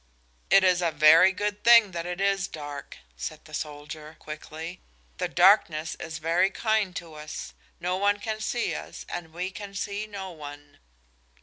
"It is a very good thing that it is dark," said the soldier, quickly. "The darkness is very kind to us. No one can see us and we can see no one."